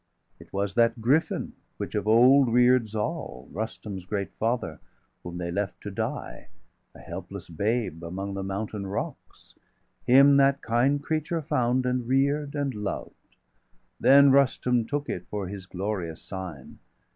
It was that griffin,° which of old rear'd Zal, °679 Rustum's great father, whom they left to die, 680 A helpless babe, among the mountain rocks; Him that kind creature found, and rear'd, and loved Then Rustum took it for his glorious sign.